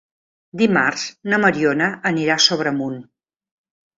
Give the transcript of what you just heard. Dimarts na Mariona anirà a Sobremunt.